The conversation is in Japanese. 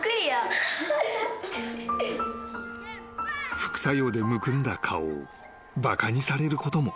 ［副作用でむくんだ顔をバカにされることも］